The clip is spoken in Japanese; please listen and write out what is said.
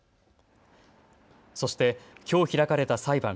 そして、きょう開かれた裁判。